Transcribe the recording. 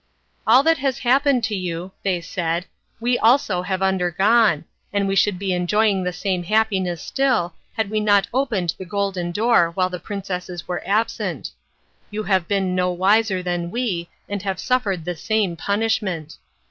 "All that has happened to you," they said, "we also have undergone, and we should be enjoying the same happiness still, had we not opened the Golden Door while the princesses were absent. You have been no wiser than we, and have suffered the same punishment.